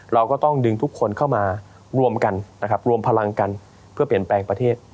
เราก็ต้องดึงทุกคนเข้ามารวมกันนะครับรวมพลังกันเพื่อเปลี่ยนแปลงประเทศ